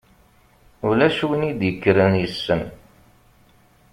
Ulac win i d-ikkren yessen.